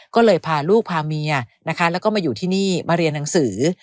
ก็เลยพาลูกพาเมียนะคะแล้วก็มาอยู่ที่นี่มาเรียนหนังสือ